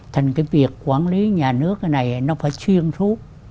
thành cái việc quản lý nhà nước này nó phải chuyên thuốc